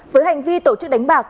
với hành vi tổ chức đánh bạc